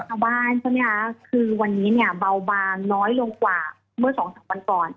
ใช่ไหมคะคือวันนี้เนี่ยเบาบางน้อยลงกว่าเมื่อสองสามวันก่อน